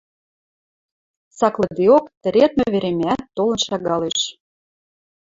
Цаклыдеок, тӹредмӹ веремӓӓт толын шагалеш.